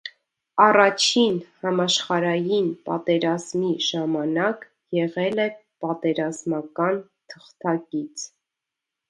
Առաջին համաշխարհային պատերազմի ժամանակ եղել է պատերազմական թղթակից։